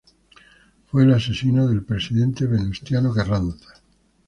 Fue el asesino del Presidente Venustiano Carranza.